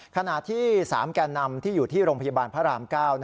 ขณะที่๓แก่นำที่อยู่ที่โรงพยาบาลพระราม๙